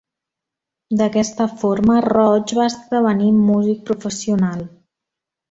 D'aquesta forma, Roig va esdevenir músic professional.